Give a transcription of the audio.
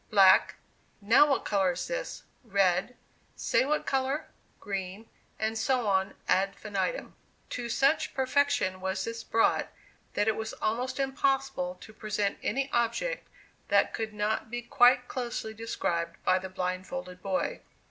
black; "Now what color is this?" red; "Say what color," green; and so on, ad infinitum. To such perfection was this brought that it was almost impossible to present any object that could not be quite closely described by the blindfolded boy.